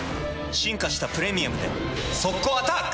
進化した「プレミアム」で速攻アタック！